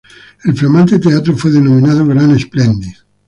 El flamante teatro fue denominado "Gran Splendid".